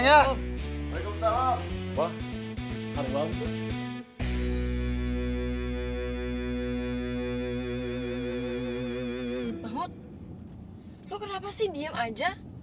mahmud lo kenapa sih diem aja